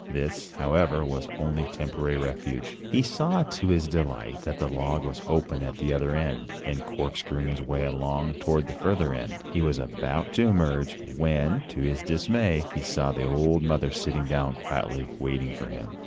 This, however, was only a temporary refuge. He saw, to his delight, that the log was open at the other end, and corkscrewing his way along toward the further end, he was about to emerge, when, to his dismay, he saw the old mother sitting down quietly waiting for him!